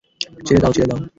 ছেড়ে দাও, ছেড়ে দাও।